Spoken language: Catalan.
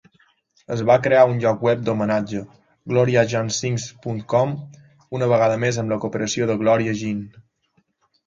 Es va crear un lloc web d'homenatge, GloriaJeanSings.com, una vegada més amb la cooperació de Gloria Jean.